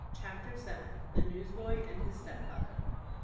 CHAPTER VII. THE NEWSBOY AND HIS STEPFATHER.